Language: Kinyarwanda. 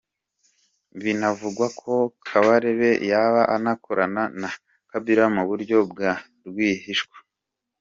Binavugwako Kabarebe yaba anakorana na Kabila mu buryo bwa rwihishwa.